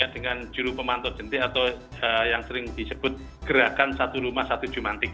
dengan juru pemantau jentik atau yang sering disebut gerakan satu rumah satu jumantik